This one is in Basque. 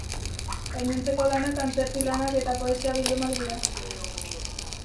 Gainontzeko lanak antzerki lanak eta poesia bildumak dira.